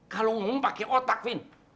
kalau ngomong pakai otak fin